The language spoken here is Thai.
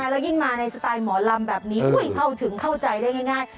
แล้วยิ่งมาในสไตล์หมอลำแบบนี้เข้าถึงเข้าใจได้ง่าย